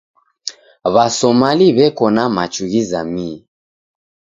W'asomali w'eko na machu ghizamie.